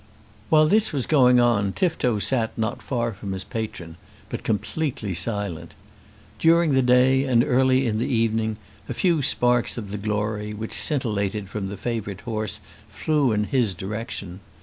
While this was going on Tifto sat not far from his patron, but completely silent. During the day and early in the evening a few sparks of the glory which scintillated from the favourite horse flew in his direction.